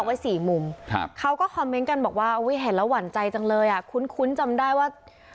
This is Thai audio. ไว้สี่มุมครับเขาก็คอมเมนต์กันบอกว่าเห็นแล้วหวั่นใจจังเลยอ่ะคุ้นจำได้ว่า